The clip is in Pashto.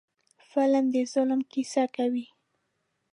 فلم د ظلم کیسه کوي